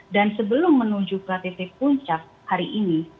dan sebelum menuju ke ktt puncak hari ini